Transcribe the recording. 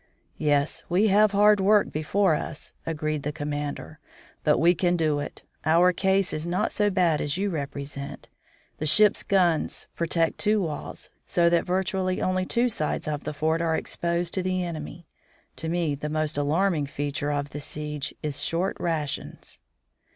"Yes, we have hard work before us," agreed the commander, "but we can do it. Our case is not so bad as you represent. The ship's guns protect two walls, so that virtually only two sides of the fort are exposed to the enemy. To me the most alarming feature of the siege is short rations."